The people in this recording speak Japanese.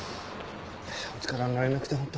お力になれなくて本当。